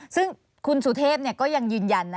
ซึ่งคุณสุเทพก็ยังยืนยัน